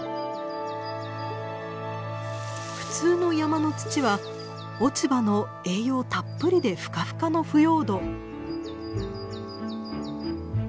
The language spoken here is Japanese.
普通の山の土は落ち葉の栄養たっぷりでふかふかの腐葉土。